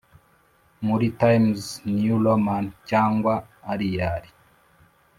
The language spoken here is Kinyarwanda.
muri Times New Roman cyangwa Arial